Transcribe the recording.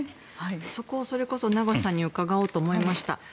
そこはそれこそ名越さんに伺おうと思いました。